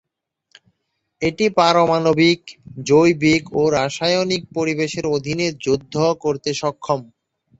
এটি পারমাণবিক, জৈবিক ও রাসায়নিক পরিবেশের অধীনে যুদ্ধ করতে সক্ষম।